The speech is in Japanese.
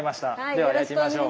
では焼いてみましょう。